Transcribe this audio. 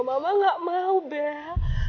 mama tidak mau bella